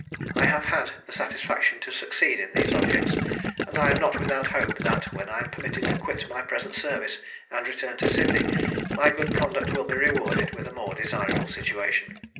I have had the satisfaction to succeed in these objects; and I am not without hope that, when I am permitted to quit my present service and return to Sydney, my good conduct will be rewarded with a more desirable situation.